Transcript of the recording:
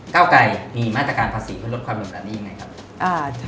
เก้าไกรมีมาตรการภาษีเพื่อลดความเหลื่อแบบนี้ยังไงครับ